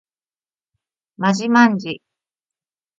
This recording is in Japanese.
まじまんじ